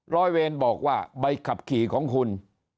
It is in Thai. ร้อยเวรบอกว่าใบขับขี่ของคุณ